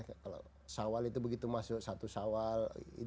kalau syawal itu begitu masuk satu syawal